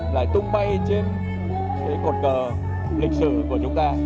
lại tung bay trên cái cột cờ lịch sử của chúng ta